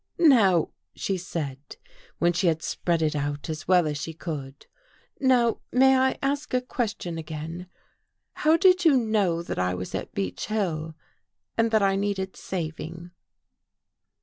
" Now," she said, when she had spread it out as well as she could, " now may I ask a question again? How did you know that I was at Beech Hill and that I needed saving?